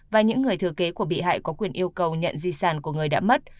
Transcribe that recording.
và những người thừa kế của bị hại có quyền yêu cầu nhận di sản của người đã mất